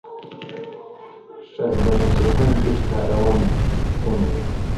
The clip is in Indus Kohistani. ݜس بنے سو گھَیں بٹھیۡ دھا روان ہُون٘د۔